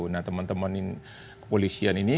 nah teman teman kepolisian ini